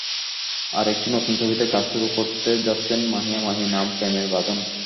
আরেকটি নতুন ছবিতে কাজ শুরু করতে যাচ্ছেন মাহিয়া মাহি, নাম প্রেমের বাঁধন।